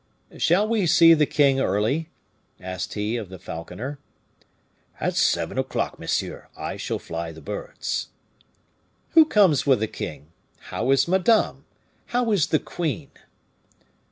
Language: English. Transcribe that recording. "Shall we see the king early?" asked he of the falconer. "At seven o'clock, monsieur, I shall fly the birds." "Who comes with the king? How is Madame? How is the queen?"